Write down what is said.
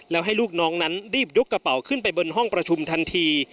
แล้วให้ลูกน้องนั้นรีบยกกระเป๋าขึ้นไปบนห้องประชุมทันที